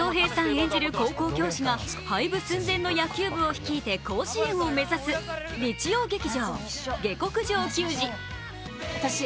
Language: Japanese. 演じる高校教師が廃部寸前の野球部を率いて甲子園を目指す、日曜劇場「下剋上球児」。